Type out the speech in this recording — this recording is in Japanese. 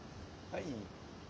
はい。